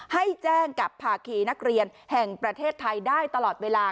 ให้แจ้งกับภาคีนักเรียนแห่งประเทศไทยได้ตลอดเวลา